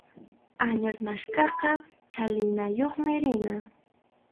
Añas maskaqqa chalinayuqmi rina.